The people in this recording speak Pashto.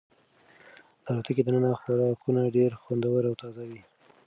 د الوتکې دننه خوراکونه ډېر خوندور او تازه وو.